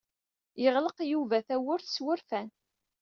Yeɣleq Yuba tawwurt s wurfan.